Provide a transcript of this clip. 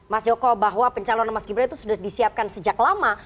mas joko bahwa pencalonan mas gibran itu sudah disiapkan sejak lama